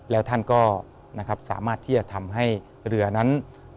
แล้วท่านก็สามารถที่จะทำให้เรือนั้น